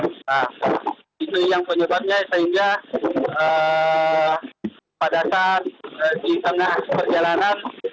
nah itu yang penyebabnya sehingga pada saat di tengah perjalanan